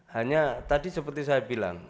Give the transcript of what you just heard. hanya tadi seperti saya bilang